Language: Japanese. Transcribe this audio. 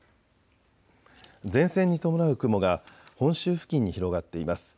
前線に伴う雲が本州付近に広がっています。